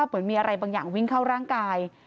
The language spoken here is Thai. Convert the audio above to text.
เหมือนมีอะไรบางอย่างวิ่งเข้าร่างกาย